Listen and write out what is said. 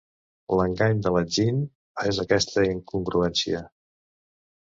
L'engany de l'enginy és aquesta incongruència.